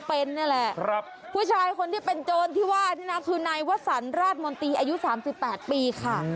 เป็นนี่แหละผู้ชายคนที่เป็นโจรที่ว่านี่นะคือนายวสันราชมนตรีอายุ๓๘ปีค่ะ